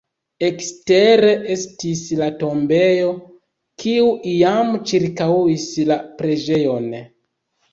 Ekstere estis la tombejo, kiu iam ĉirkaŭis la preĝejon.